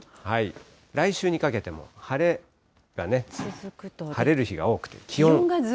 来週にかけても晴れが、晴れる日が多くて、気温。